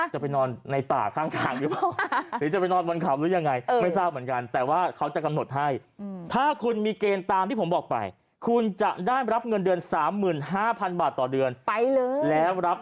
จะไปนอนในป่าข้างหรือเปล่า